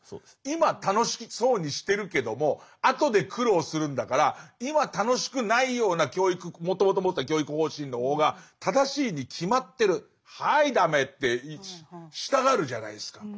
今楽しそうにしてるけども後で苦労するんだから今楽しくないような教育もともと持ってた教育方針の方が正しいに決まってるはい駄目ってしたがるじゃないですか。